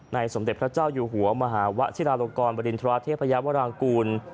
สมเด็จพระเจ้าอยู่หัวมหาวะชิลาลงกรบริณฑราเทพยาวรางกูล